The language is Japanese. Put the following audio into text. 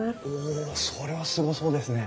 おそれはすごそうですね。